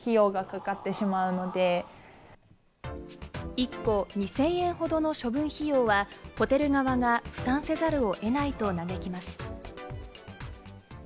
１個２０００円ほどの処分費用はホテル側が負担せざるを得ないと嘆きます。